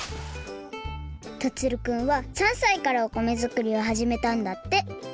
樹くんは３さいからお米づくりをはじめたんだって。